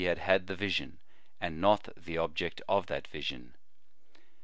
123 had had the vision, and not the object of that vision.